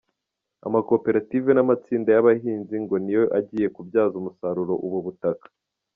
Amakoperative n’amatsinda y’abahinzi ngo ni yo agiye kubyaza umusaruro ubu butaka.